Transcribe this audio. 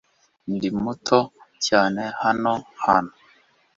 Ndi muto cyane hano hantu